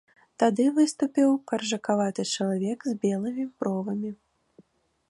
Тады выступіў каржакаваты чалавек з белымі бровамі.